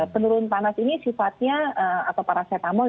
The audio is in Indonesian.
penurun panas ini sifatnya